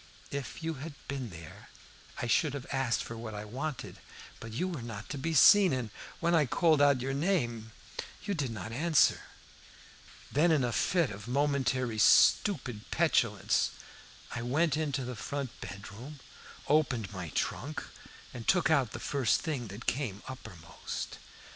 If you had been there I should have asked for what I wanted, but you were not to be seen, and when I called out your name you did not answer. Then, in a fit of momentary stupid petulance, I went into the front bedroom, opened my trunk, and took out the first thing that came uppermost.